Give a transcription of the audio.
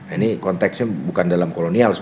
ini konteksnya bukan dalam kolonial